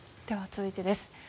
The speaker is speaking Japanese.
では続いてです。